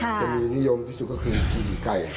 จะมีนิยมที่สุดก็คือหญิงไก่